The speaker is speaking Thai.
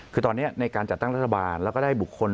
คือตอนนี้ในการจัดตั้งรัฐบาลแล้วก็ได้บุคคล